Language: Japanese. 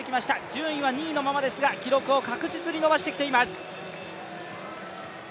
順位は２位のままですが、記録を確実に伸ばしてきています。